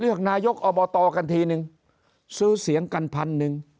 เลือกนายกอบตกันทีนึงซื้อเสียงกันพันหนึ่ง